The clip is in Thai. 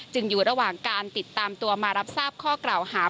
อยู่ระหว่างการติดตามตัวมารับทราบข้อกล่าวหา